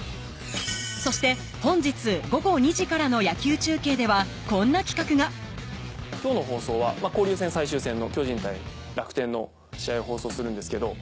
そして本日午後２時からの野球中継ではこんな企画が今日の放送は交流戦最終戦の巨人対楽天の試合を放送するんですけど。